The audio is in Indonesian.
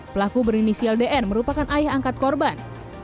pelaku berinisial dn merupakan ayah angkat korban